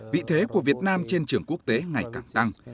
vị thế của việt nam trên trường quốc tế ngày càng tăng